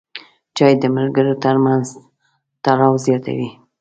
چای د ملګرو ترمنځ تړاو زیاتوي.